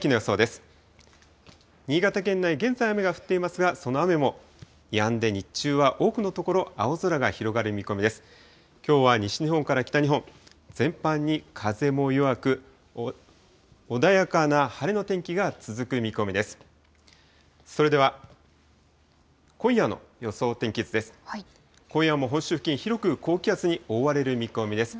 きょうは西日本から北日本、全般に風も弱く、穏やかな晴れの天気が続く見込みです。